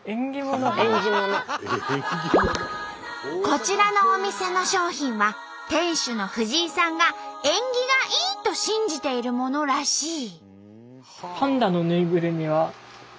こちらのお店の商品は店主の藤井さんが縁起がいい！と信じているものらしい。